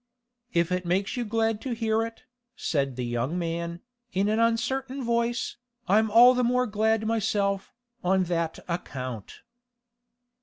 'If it makes you glad to hear it,' said the young man, in an uncertain voice, 'I'm all the more glad myself, on that account.